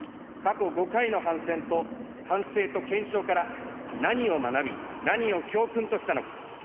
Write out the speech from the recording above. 過去５回の反省と検証から、何を学び、何を教訓としたのか。